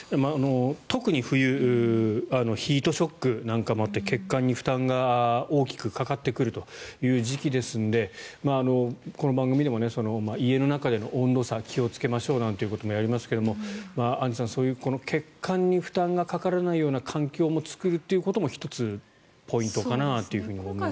特に冬ヒートショックなんかもあって血管に負担が大きくかかってくるという時期ですのでこの番組でも家の中での温度差気をつけましょうなんてこともやりますがアンジュさん血管に負担がかからないような環境を作るということも１つポイントかなと思いますね。